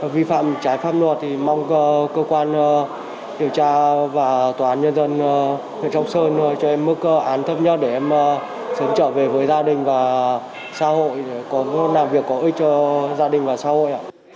vì phạm trái pháp luật thì mong cơ quan điều tra và tòa án nhân dân trọng sơn cho em mức án thấp nhất để em sớm trở về với gia đình và xã hội để làm việc có ích cho gia đình và xã hội ạ